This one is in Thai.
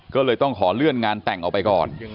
ก็เลยต้องขอเลื่อนงานแต่งออกไปก่อน